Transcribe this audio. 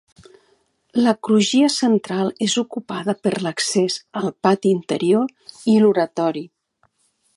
La crugia central és ocupada per l'accés, el pati interior i l'oratori.